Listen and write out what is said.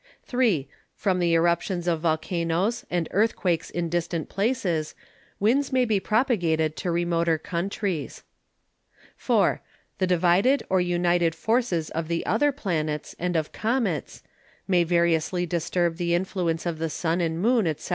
3. From the Eruptions of Vulcanoes and Earthquakes in distant Places, Winds may be propagated to remoter Countries. 4. The divided or United Forces of the other Planets and of Comets, may variously disturb the influence of the Sun and Moon, _&c.